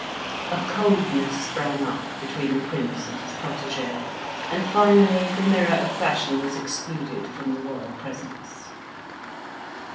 A coldness sprang up between the Prince and his protege, and finally, the mirror of fashion was excluded from the royal presence.